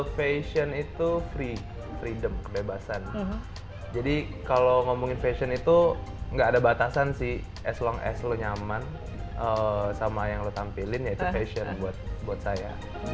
fashion itu free freedom kebebasan jadi kalau ngomongin fashion itu nggak ada batasan sih as long as lo nyaman sama yang lo tampilin yaitu fashion buat saya